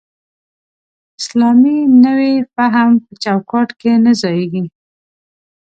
اسلامي نوی فهم په چوکاټ کې نه ځایېږي.